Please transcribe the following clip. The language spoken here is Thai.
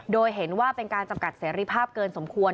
โดยเห็นว่าเป็นการจำกัดเสรีภาพเกินสมควร